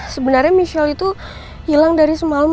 sebenarnya michelle itu hilang dari semalam